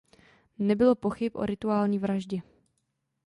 Nebylo pochyb o rituální vraždě.